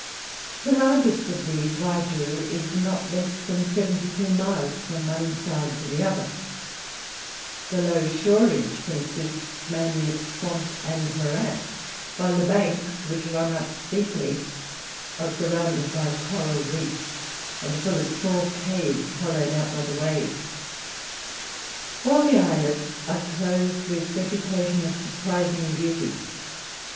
The largest of these, Waigiou, is not less than seventy two miles from one side to the other; the low shorage consists mainly of swamp and morass, while the banks, which run up steeply, are surrounded by coral reefs, and are full of small caves hollowed out by the waves. All the islets are clothed with vegetation of surprising beauty.